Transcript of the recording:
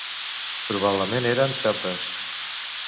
Probablement eren celtes.